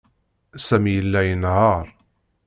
Sami yella inehheṛ.